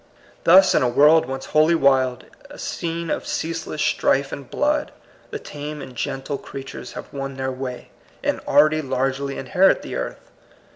Thus, in a world once wholly wild, a scene of ceaseless strife and blood, the tame and gentle creatures have won their way, and already largely inherit the earth.